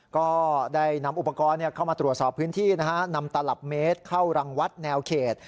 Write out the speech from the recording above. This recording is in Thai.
ก็ได้นำอุปกรณ์เข้ามาตรวจสอบพื้นที่นะฮะนำตลับเมตรเข้ารังวัดแนวเขต